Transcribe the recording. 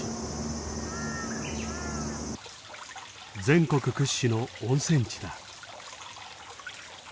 全国屈指の温泉地だ。